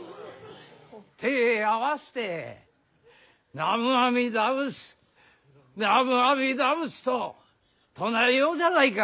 手ぇ合わして南無阿弥陀仏南無阿弥陀仏と唱えようじゃないか。